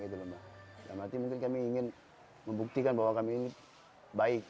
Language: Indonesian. dalam arti mungkin kami ingin membuktikan bahwa kami ini baik